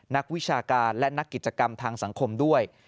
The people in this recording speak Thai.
นักวิชาการและนักกิจกรรมทางสังคมด้วย